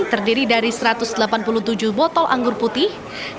terdiri dari satu ratus delapan puluh tujuh botol anggur putih